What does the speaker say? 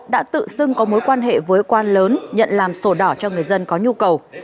công an thị xã đức phổ xưng có mối quan hệ với quan lớn nhận làm sổ đỏ cho người dân có nhu cầu